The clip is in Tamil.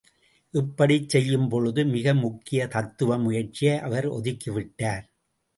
இப்படிச் செய்யும்பொழுது மிக முக்கிய தத்துவ முயற்சியை அவர் ஒதுக்கிவிட்டார்.